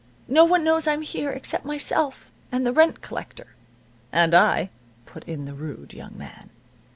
No one knows I'm here except myself, and the rent collector.'" "And I," put in the rude young man.